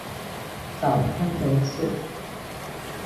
早川德次